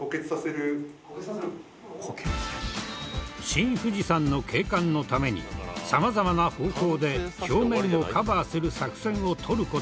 新富士山の景観のためにさまざまな方法で表面をカバーする作戦を取る事に。